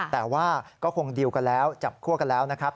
แต่ว่าก็คงดิวกันแล้วจับคั่วกันแล้วนะครับ